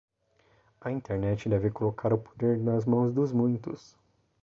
A Internet deve colocar o poder nas mãos dos muitos